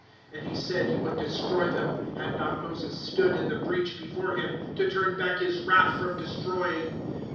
^^ And he said ho would destroy them ; Had not Moses stood in the bi each belbre him, To turn buck his wrath from destroying.